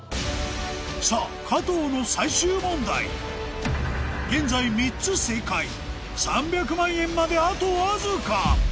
さぁ加藤の最終問題現在３つ正解３００万円まであとわずか！